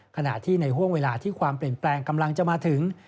ขณะที่ในห่วงเวลาที่ความเปลี่ยนแปลงกำลังจะมาถึง